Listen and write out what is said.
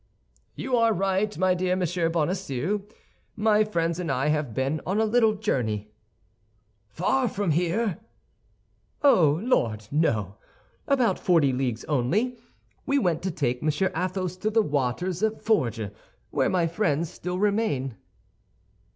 "You are right, my dear Monsieur Bonacieux, my friends and I have been on a little journey." "Far from here?" "Oh, Lord, no! About forty leagues only. We went to take Monsieur Athos to the waters of Forges, where my friends still remain."